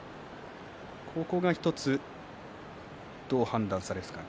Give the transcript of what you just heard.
ここが１つ、どう判断するかです。